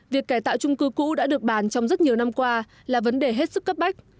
việc cải tạo trung cư cũ đã được bàn trong rất nhiều năm qua là vấn đề hết sức cấp bách